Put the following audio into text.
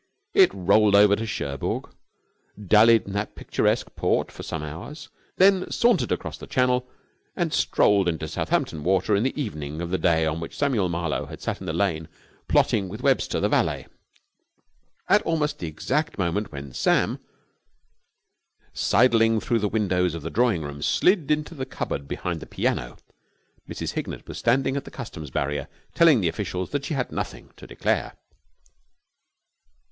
It rolled over to Cherbourg, dallied at that picturesque port for some hours, then sauntered across the Channel and strolled into Southampton Water in the evening of the day on which Samuel Marlowe had sat in the lane plotting with Webster, the valet. At almost the exact moment when Sam, sidling through the windows of the drawing room, slid into the cupboard behind the piano, Mrs. Hignett was standing at the Customs barrier telling the officials that she had nothing to declare.